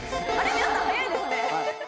皆さん早いですね。